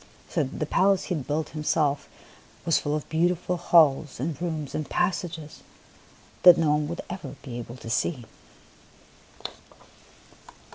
So the palace he had built himself was full of beautiful halls and rooms and passages that no one would ever be able to see.